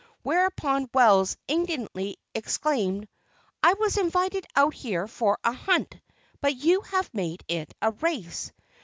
Whereupon Wells indignantly exclaimed: "I was invited out here for a hunt, but you have made it a race."